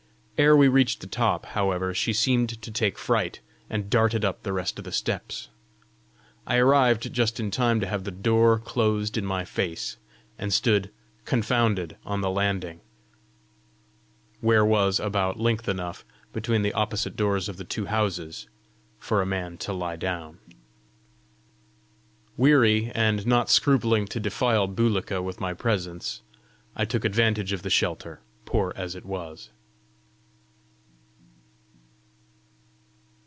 Ere we reached the top, however, she seemed to take fright, and darted up the rest of the steps: I arrived just in time to have the door closed in my face, and stood confounded on the landing, where was about length enough, between the opposite doors of the two houses, for a man to lie down. Weary, and not scrupling to defile Bulika with my presence, I took advantage of the shelter, poor as it was.